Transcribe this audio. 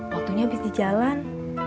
waktunya habis di jalan